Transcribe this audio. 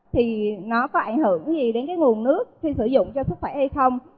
thì nó có ảnh hưởng gì đến cái nguồn nước khi sử dụng cho sức khỏe hay không